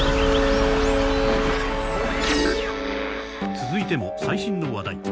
続いても最新の話題。